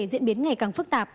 diễn biến ngày càng phức tạp